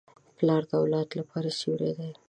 پلار د اولاد لپاره سیوری دی.